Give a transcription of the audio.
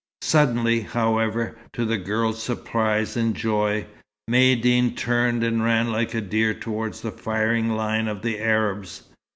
Suddenly, however, to the girl's surprise and joy, Maïeddine turned and ran like a deer toward the firing line of the Arabs.